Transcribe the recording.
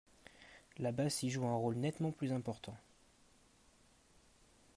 La basse y joue un rôle nettement plus important.